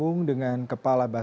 dian firmansyah purwakarta